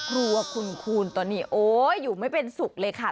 ครัวคุณคูณตอนนี้โอ๊ยอยู่ไม่เป็นสุขเลยค่ะ